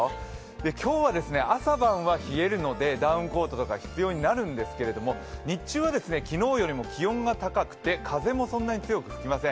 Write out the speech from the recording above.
今日は朝晩は冷えるので、ダウンコートとか必要になるんですけれども、日中は昨日より気温が高くて風もそんなに強く吹きません。